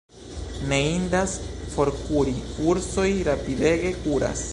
Ne indas forkuri: ursoj rapidege kuras.